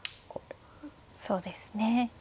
そうですね。